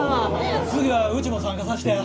次はうちも参加さしてや！